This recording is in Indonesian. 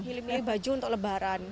pilih baju untuk lebaran